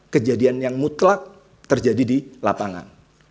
kejadian yang mutlak terjadi di lapangan